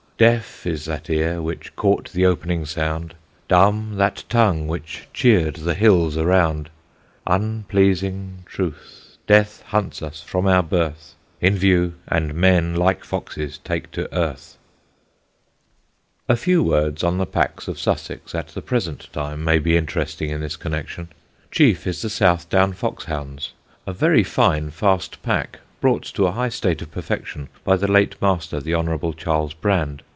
Deaf is that ear which caught the opening sound; Dumb that tongue which cheer'd the hills around. Unpleasing truth: Death hunts us from our birth In view, and men, like foxes, take to earth.'" [Sidenote: THE SUSSEX PACKS] A few words on the packs of Sussex at the present time may be interesting in this connection. Chief is the Southdown Fox Hounds, a very fine, fast pack brought to a high state of perfection by the late master, the Hon. Charles Brand.